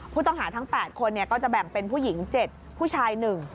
ผู้ต้องหาทั้ง๘คนก็จะแบ่งเป็นผู้หญิง๗ผู้ชาย๑